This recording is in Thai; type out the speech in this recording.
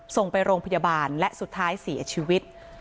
ส่งโรงพยาบาลและสุดท้ายเสียชีวิต